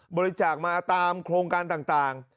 บริจาคมาตามโครงการต่าง